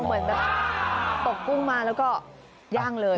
เหมือนแบบตกกุ้งมาแล้วก็ย่างเลย